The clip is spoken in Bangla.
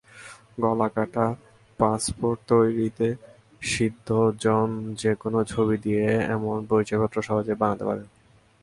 গলাকাটা পাসপোর্ট তৈরিতে সিদ্ধজন যেকোনো ছবি দিয়ে এমন পরিচয়পত্র সহজেই বানাতে পারে।